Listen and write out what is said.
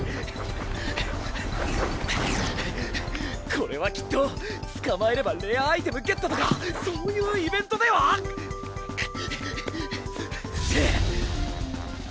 これはきっと捕まえればレアアイテムゲットとかそういうイベントでは⁉はぁはぁはぁくっ！